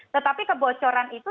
tetapi kebocoran itu